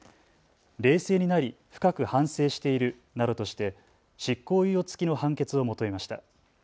冷静になり深く反省しているなどとして執行猶予付きの判決を求めました。